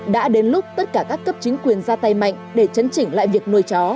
đã đến lúc tất cả các cấp chính quyền ra tay mạnh để chấn chỉnh lại việc nuôi chó